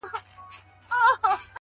ډك د ميو جام مي د زړه ور مــات كړ،